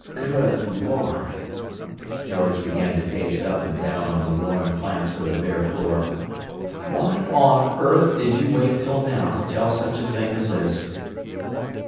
"Good Lord!" George began to pace up and down on the worn planks of the bare floor. "Why on earth did you wait till now to tell such a thing as this?"